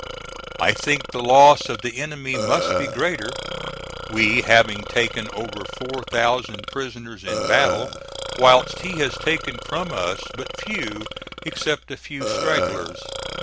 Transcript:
I think the loss of the enemy must be greater we having taken over four thousand prisoners in battle, whilst he has taken from us but few except a few stragglers.